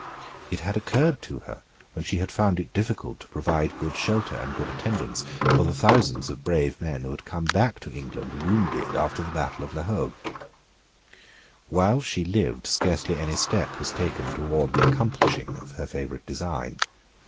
It had occurred to her when she had found it difficult to provide good shelter and good attendance for the thousands of brave men who had come back to England wounded after the battle of La Hogue. While she lived scarcely any step was taken towards the accomplishing of her favourite design.